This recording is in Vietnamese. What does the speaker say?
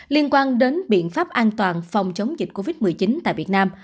liên quan đến biện pháp an toàn phòng chống dịch covid một mươi chín tại việt nam